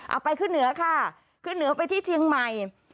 ไปขึ้นเหนือค่ะขึ้นเหนือไปที่เชียงใหม่